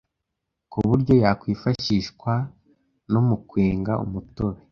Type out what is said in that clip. ku buryo yakwifashishwa no mu kwenga umutobe